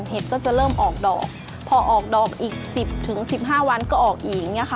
เห็ดก็จะเริ่มออกดอกพอออกดอกอีก๑๐๑๕วันก็ออกอีก